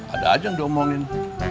ada aja yang diomongin